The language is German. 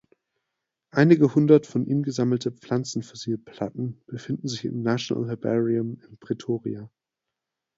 Einige Hundert von ihm gesammelten Pflanzenfossilplatten befinden sich im National Herbarium in Pretoria.